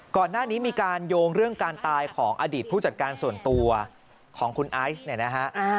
ก่อนหน้านี้มีการโยงเรื่องการตายของอดีตผู้จัดการส่วนตัวของคุณไอซ์เนี่ยนะฮะ